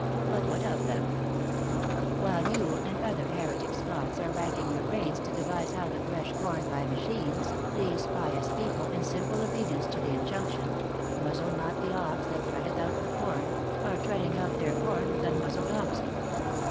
But what of them ?" ""While you and other heretic Scots are rack ing your brains to devise how to thresh corn by machines, these pious people, in simple obedience to the injunction, Muzzle not the ox that treadeth out the corn, are treading out their corn with un muzzled oxen.